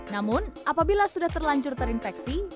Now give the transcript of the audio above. namun apabila sudah terlanjur terinfeksi